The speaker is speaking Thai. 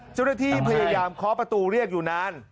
จะที่แปลยามเคาะประตูเรียกอยู่นาน